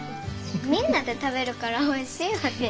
みんなで食べるからおいしいわけよ。